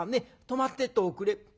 泊まってっておくれ」。